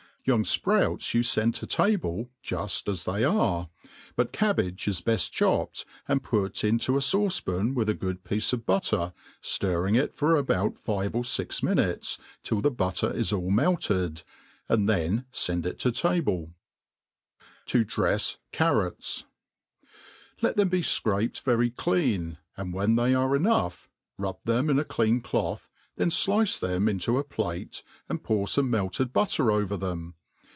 Young fprouts you fend to table juft as they are, butcab'bage is beft chbpf^ed and put' fn to a failct; pan with a good piece of better, fiirring it for abouf five or fix minutes, till the butter rs all melted, and then fend it to table* To drefs Carrots, LET them be /craped very. clean, and when tHfey are e* nOiJgh, rub them in a clean cloth, then (lice them into aplate^ and pour fome melted butter over them.